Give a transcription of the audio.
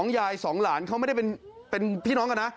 ยายสองหลานเขาไม่ได้เป็นพี่น้องกันนะ